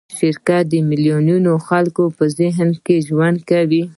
شرکت د میلیونونو خلکو په ذهن کې ژوند کوي.